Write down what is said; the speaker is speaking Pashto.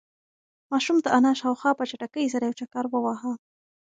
ماشوم د انا شاوخوا په چټکۍ سره یو چکر وواهه.